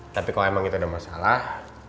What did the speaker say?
tapi kalau emang itu ada masalah